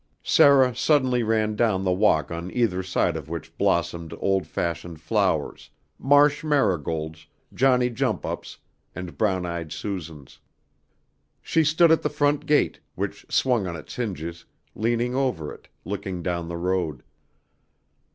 Sarah suddenly ran down the walk on either side of which blossomed old fashioned flowers, Marsh Marigolds, Johnny Jump Ups and Brown Eyed Susans. She stood at the front gate, which swung on its hinges, leaning over it, looking down the road.